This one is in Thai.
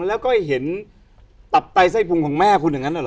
แล้วก็เห็นตับไตไส้พุงของแม่คุณอย่างนั้นเหรอ